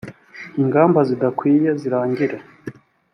ingamba zidakwiye zirangire.